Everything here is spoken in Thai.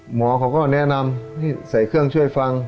หมอเขาก็แนะนำให้ใส่เครื่องช่วยฟัง